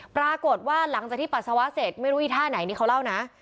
ปรากฏว่าหลังจากที่ปัสสาวะเสร็จไม่รู้อีท่าไหนนี่เขาเล่านะ